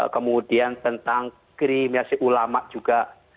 kemudian tentang kriminasi ulama juga